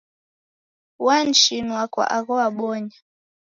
Wanishinua kwa agho wabonya.